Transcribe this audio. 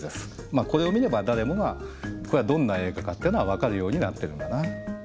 まあこれを見れば誰もがこれはどんな映画かっていうのは分かるようになってるんだな。